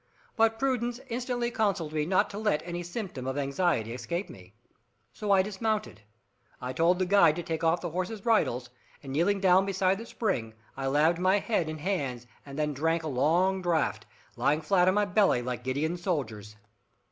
But prudence instantly counselled me not to let any symptom of anxiety escape me. So I dismounted. I told the guide to take off the horses' bridles, and kneeling down beside the spring, I laved my head and hands and then drank a long draught, lying flat on my belly, like Gideon's soldiers.